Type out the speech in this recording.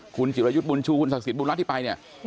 คุณจิรยุทธ์บุญชูคุณศักดิ์บุญรัฐที่ไปเนี่ย